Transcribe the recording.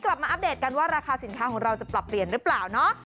มาอัปเดตกันว่าราคาสินค้าของเราจะปรับเปลี่ยนหรือเปล่าเนาะ